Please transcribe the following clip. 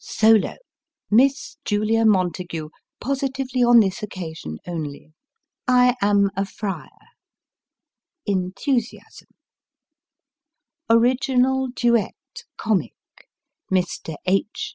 Solo, Miss Julia Montague (positively on this occasion only) " I am a Friar " [enthusiasm]. Original duet, comic Mr. H.